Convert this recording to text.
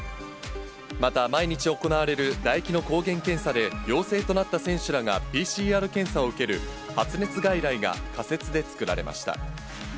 また、毎日行われる唾液の抗原検査で陽性となった選手らがＰＣＲ検査を受ける発熱外来が仮設で作られました。